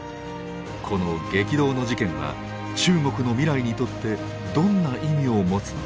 この激動の事件は中国の未来にとってどんな意味を持つのか。